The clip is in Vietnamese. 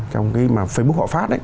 trong facebook họ phát